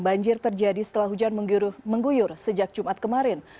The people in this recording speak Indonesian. banjir terjadi setelah hujan mengguyur sejak jumat kemarin